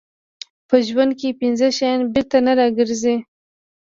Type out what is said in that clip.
په ژوند کې پنځه شیان بېرته نه راګرځي.